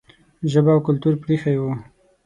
ژبه او کلتور پرې ایښی و.